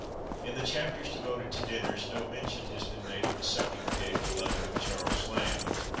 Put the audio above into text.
In the chapters devoted to dinners, no mention has been made of the sucking pig, beloved of Charles Lamb.